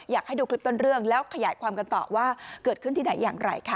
อยากให้ดูคลิปต้นเรื่องแล้วขยายความกันต่อว่าเกิดขึ้นที่ไหนอย่างไรค่ะ